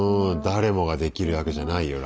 誰もができる役じゃないよ